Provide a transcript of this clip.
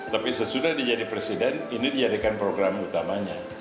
tapi sesudah dia jadi presiden ini dijadikan program utamanya